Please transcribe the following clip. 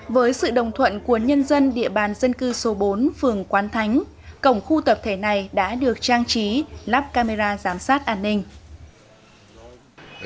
với sự đồng thuận của nhân dân địa bàn dân cư số bốn phường quán thánh cổng khu tập thể này đã được trang trí lắp camera giám sát an ninh